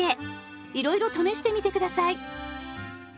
いろいろ試してみて下さい。